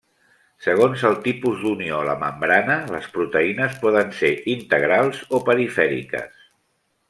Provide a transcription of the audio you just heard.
Segons el tipus d'unió a la membrana, les proteïnes poden ser integrals o perifèriques.